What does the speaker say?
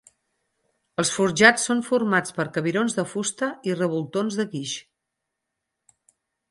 Els forjats són formats per cabirons de fusta i revoltons de guix.